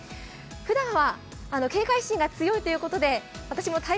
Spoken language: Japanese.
ふだんは警戒心が強いということで私も「ＴＩＭＥ，」